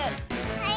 はい。